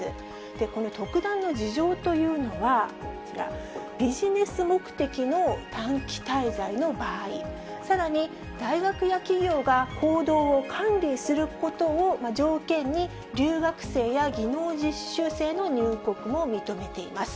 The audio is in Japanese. この特段の事情というのはこちら、ビジネス目的の短期滞在の場合、さらに、大学や企業が行動を管理することを条件に、留学生や技能実習生の入国も認めています。